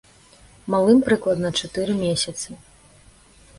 Малым прыкладна чатыры месяцы.